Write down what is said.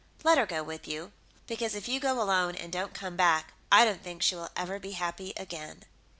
Let her go with you, because if you go alone and don't come back, I don't think she will ever be happy again."